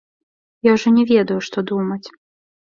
Я ўжо не ведаю, што думаць.